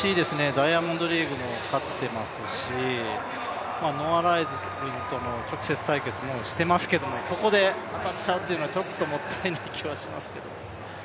ダイヤモンドリーグも勝ってますし、ノア・ライルズとも直接対決をしていますけどここで当たっちゃうというのはちょっともったいない気はしますけど。